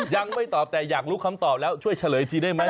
ยังไม่ตอบแต่อยากรู้คำตอบแล้วช่วยเฉลยทีได้ไหม